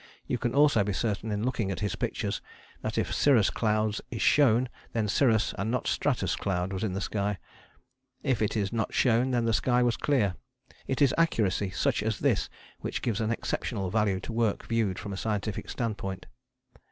You can also be certain in looking at his pictures that if cirrus cloud is shown, then cirrus and not stratus cloud was in the sky: if it is not shown, then the sky was clear. It is accuracy such as this which gives an exceptional value to work viewed from a scientific standpoint.